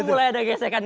udah mulai ada gesekan